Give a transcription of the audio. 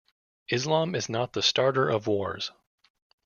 Islam is not the starter of wars.